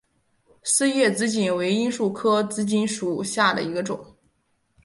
丝叶紫堇为罂粟科紫堇属下的一个种。